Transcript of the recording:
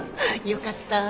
よかった。